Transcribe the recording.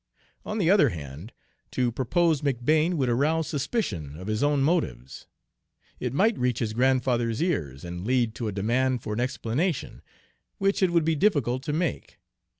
On the other hand, to propose McBane would arouse suspicion of his own motives; it might reach his grandfather's ears, and lead to a demand for an explanation, which it would be difficult to make.